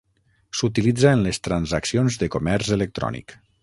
S'utilitza en les transaccions de comerç electrònic.